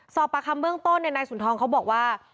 สอบประคำเบื้องต้นในนายสุนทองเค้าบอกว่า